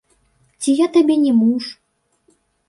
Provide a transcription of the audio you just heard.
Ці я табе не муж?